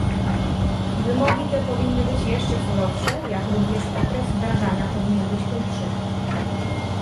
Wymogi te powinny być jeszcze surowsze, jak również okres wdrażania powinien być krótszy